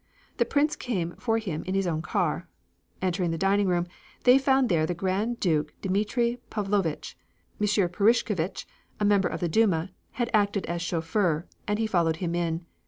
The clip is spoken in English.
The Prince came for him in his own car. Entering the dining room, they found there the Grand Duke Dmitri Pavlovitch. M. Purishkevitch, a member of the Duma, had acted as chauffeur, and he followed him in.